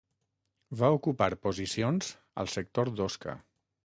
Va ocupar posicions al sector d'Osca.